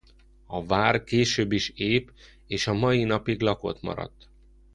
A vár később is ép és a mai napig lakott maradt.